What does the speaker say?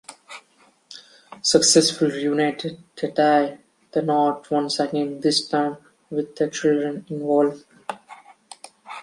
Successfully reunited, they tie the knot once again, this time with the children involved.